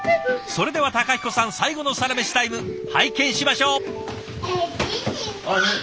それでは孝彦さん最後のサラメシタイム拝見しましょう。